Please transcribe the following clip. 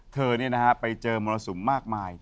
เธอนี่นะครับไปเจอโมนสุมมากมาย